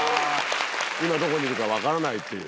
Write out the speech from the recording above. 今どこにいるか分からないっていう。